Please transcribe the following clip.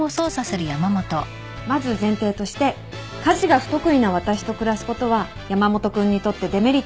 まず前提として家事が不得意な私と暮らすことは山本君にとってデメリットしかない。